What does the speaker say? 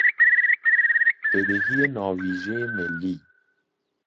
بدهی ناویژه ملی